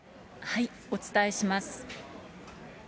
お伝えします。